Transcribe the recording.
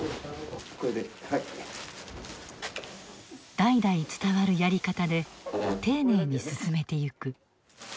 代々伝わるやり方で丁寧に進めてゆく。